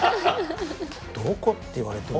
どこって言われても。